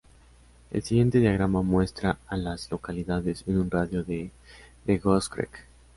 El siguiente diagrama muestra a las localidades en un radio de de Goose Creek.